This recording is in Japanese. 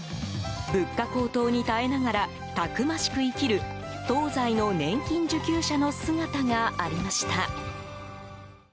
物価高騰に耐えながらたくましく生きる東西の年金受給者の姿がありました。